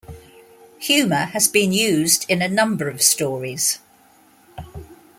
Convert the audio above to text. Humor has been used in a number of stories.